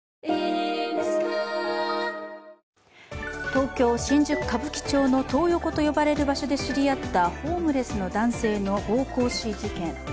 東京新宿・歌舞伎町のトー横といわれる場所で知り合ったホームレスの男性の暴行死事件。